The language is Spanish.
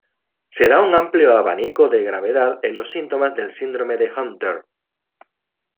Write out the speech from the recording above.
Se da un amplio abanico de gravedad en los síntomas del síndrome de Hunter.